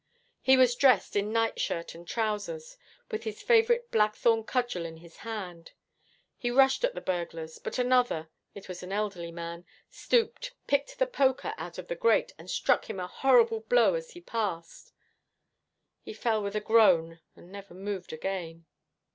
He was dressed in nightshirt and trousers, with his favourite blackthorn cudgel in his hand. He rushed at the burglars, but another it was an elderly man stooped, picked the poker out of the grate and struck him a horrible blow as he passed. He fell with a groan and never moved again.